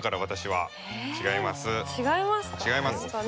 違いますか？